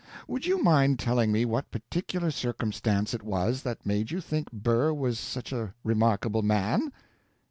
Would you mind telling me what particular circumstance it was that made you think Burr was such a remarkable man?